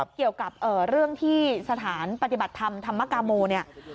เกี่ยวกับเรื่องที่สถานปฏิบัติธรรมธรรมกาโมเนี่ย